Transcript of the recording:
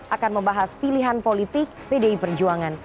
akan membahas pilihan politik pdi perjuangan